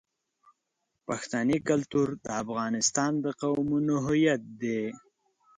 پښتني کلتور د افغانستان د قومونو هویت دی.